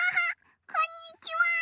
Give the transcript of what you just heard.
こんにちは。